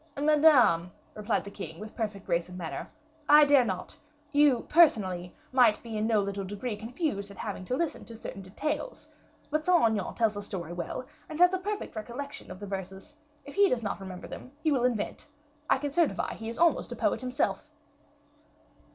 "Madame," replied the king, with perfect grace of manner, "I dare not you, personally, might be in no little degree confused at having to listen to certain details but Saint Aignan tells a story well, and has a perfect recollection of the verses. If he does not remember them, he will invent. I can certify he is almost a poet himself."